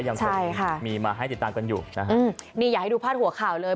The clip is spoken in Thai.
อยากให้ดูพาดหัวข่าวเลย